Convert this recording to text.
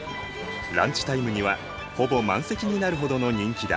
ランチタイムにはほぼ満席になるほどの人気だ。